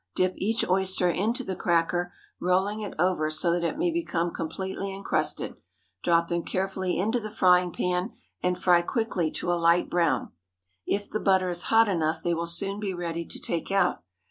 Dip each oyster into the cracker, rolling it over that it may become completely incrusted. Drop them carefully into the frying pan, and fry quickly to a light brown. If the butter is hot enough they will soon be ready to take out.